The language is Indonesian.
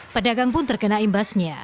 pedagang pun terkena imbasnya